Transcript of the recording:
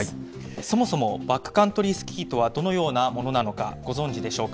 そもそもバックカントリースキーというのはどのようなものなのか、ご存じでしょうか。